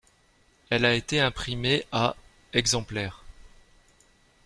Elle a été imprimée à exemplaires.